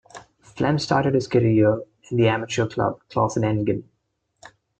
Flem started his career in the amateur club Clausenengen.